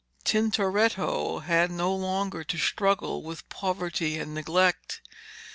Tintoretto had no longer to struggle with poverty and neglect.